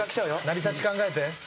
成り立ち考えて。